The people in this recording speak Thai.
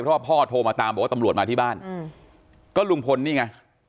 เพราะว่าพ่อโทรมาตามบอกว่าตำรวจมาที่บ้านก็ลุงพลนี่ไง